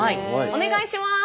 お願いします。